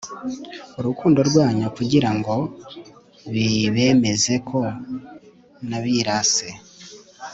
urukundo rwanyu kugira ngo bibemeze ko nabirase